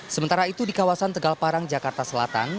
sementara itu di kawasan tegal parang jakarta selatan